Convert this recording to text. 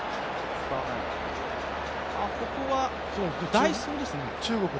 ここは代走ですね。